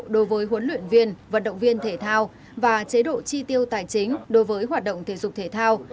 đối với huấn luyện viên vận động viên thể thao và chế độ tri tiêu tài chính đối với hoạt động thể dục thể thao